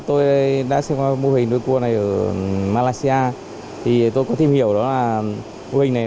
đầu trước tôi đã xem qua mô hình nuôi cua này ở malaysia thì tôi có tìm hiểu đó là mô hình này